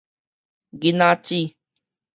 囡仔姊